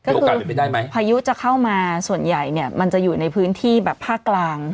ก็คือพายุจะเข้ามาส่วนใหญ่เนี้ยมันจะอยู่ในพื้นที่แบบภาคกลาง